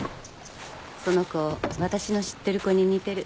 その子私の知ってる子に似てる。